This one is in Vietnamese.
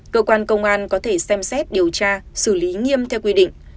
cơ quan công an có thể xem xét điều tra xử lý nghiêm theo quy định